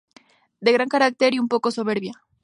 De gran carácter y un poco soberbia.